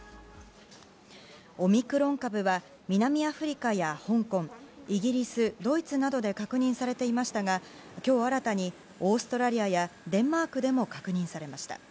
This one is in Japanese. オミクロン株は南アフリカや香港イギリス、ドイツなどで確認されていましたが今日新たにオーストラリアやデンマークでも確認されました。